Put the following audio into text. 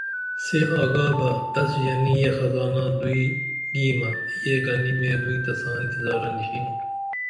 سے آگا بہ تس ژنی یہ خزانہ دوئیں گیمہ یہ گنی مے دوئیں تساں انتظارہ نیشنُن